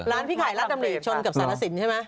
ร้านพี่ขายรักดำเนกชนกับสารสินใช่ไหม